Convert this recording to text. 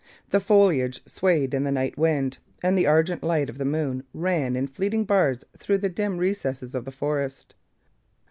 The foliage swayed in the night wind, and the argent light of the moon ran in fleeting bars through the dim recesses of the forest.